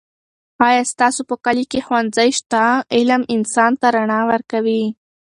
آیا ستاسو په کلي کې ښوونځی شته؟ علم انسان ته رڼا ورکوي.